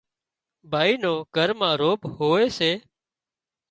ڀائي نو گھر ما روڀ هوئي سي